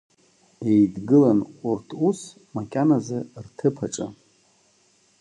Еидгылан урҭ ус макьаназы рҭыԥ аҿы.